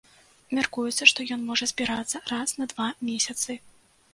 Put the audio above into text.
Мяркуецца, што ён можа збірацца раз на два месяцы.